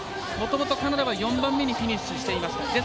もともとカナダは４番目にフィニッシュしていました。